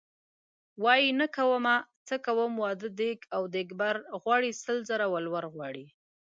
وايي نه کومه څه کوم واده دیګ او دیګبر غواړي سل زره ولور غواړي .